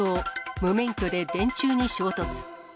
無免許で電柱に衝突。